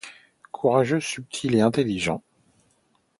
Courageux, subtil et intelligent.